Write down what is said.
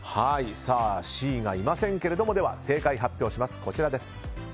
Ｃがいませんが正解発表します。